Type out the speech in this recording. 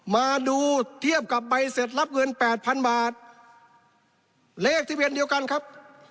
มาดูเทียบกับใบเสร็จรับเงินแปดพันบาทเลขทะเบียนเดียวกันครับ